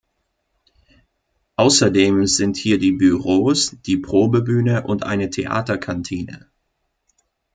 Außerdem sind hier die Büros, die Probebühne und eine Theater-Kantine.